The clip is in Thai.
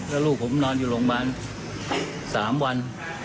แล้วลูกผมนอนอยู่โรงพยาบาล๓วัน